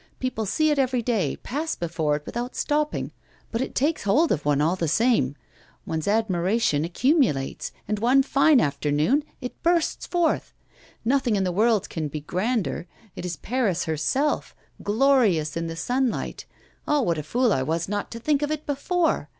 People see it every day, pass before it without stopping; but it takes hold of one all the same; one's admiration accumulates, and one fine afternoon it bursts forth. Nothing in the world can be grander; it is Paris herself, glorious in the sunlight. Ah! what a fool I was not to think of it before!